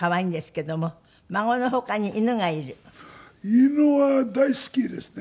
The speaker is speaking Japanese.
犬は大好きですね。